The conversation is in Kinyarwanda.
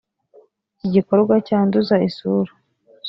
igikorwa cyanduza isura